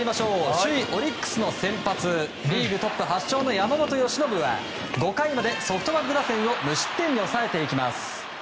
首位オリックスの先発リーグトップ８勝の山本由伸は５回までソフトバンク打線を無失点に抑えていきます。